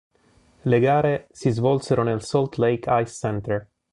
Le gare si svolsero nel "Salt Lake Ice Center".